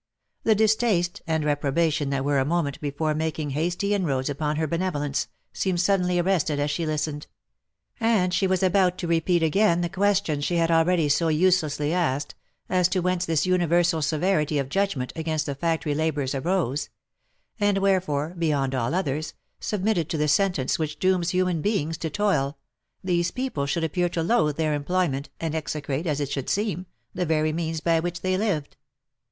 The distaste and reprobation that were a moment before making hasty inroads upon her benevolence, seemed suddenly arrested as she listened; and she was about to repeat again the questions she had already so uselessly asked, as to whence this universal severity of judgment against the factory labourers arose ; and wherefore, beyond all others, submitted to the sentence which dooms human beings to toil, these .people should appear to loath their employment, and exe crate, as it should seem, the very means by which they lived.